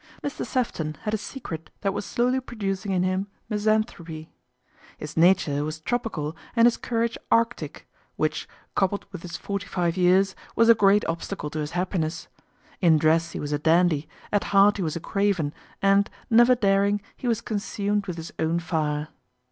Mr. Sefton had a secret that was slowly pro ducing in him misanthropy. His nature was tropical and his courage arctic, which, coupled with his forty five years, was a great obstacle to his happiness. In dress he was a dandy, at heart he was a craven and, never daring, he was consumed with his own fire.